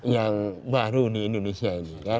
yang baru di indonesia